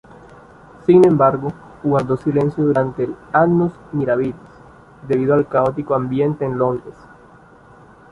Sin embargo, guardó silencio durante el "annus mirabilis" debido al caótico ambiente en Londres.